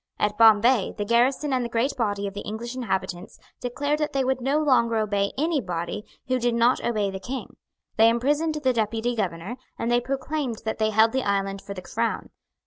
At Bombay, the garrison and the great body of the English inhabitants declared that they would no longer obey any body who did not obey the King; they imprisoned the Deputy Governor; and they proclaimed that they held the island for the Crown.